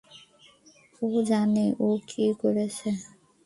ও জানে ও কী করেছে।